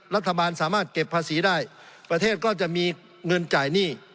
รัฐบาลสามารถเก็บภาษีได้ประเทศก็จะมีเงินจ่ายหนี้